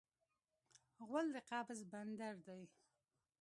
غول د قبض بندر دی.